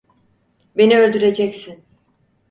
Beni öldüreceksin!